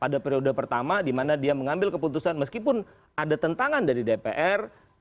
pada periode pertama di mana dia mengambil keputusan meskipun ada tentangan dari dpr